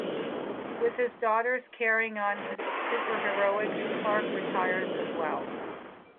With his daughters carrying on his superheroics, Clark retires as well.